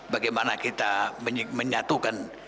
bagaimana kita menyatukan